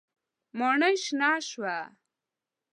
ماڼۍ شنه شوه.